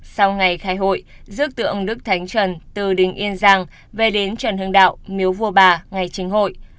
sau ngày khai hội dước đức thánh trần từ đinh yên giang về đến trần hương đạo miếu vua bà ngày chính hội